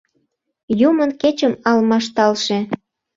Юмын кечым алмашталше